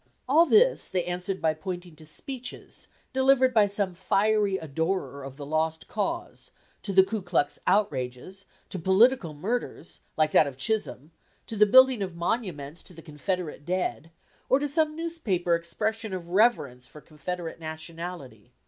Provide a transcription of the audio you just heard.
All this they answered by pointing to speeches delivered by some fiery adorer of "the lost cause," to the Ku Klux outrages, to political murders, like that of Chisholm, to the building of monuments to the Confederate dead, or to some newspaper expression of reverence for Confederate nationality.